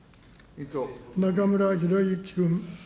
中村裕之君。